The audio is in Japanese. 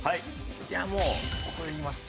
いやもうここでいきます。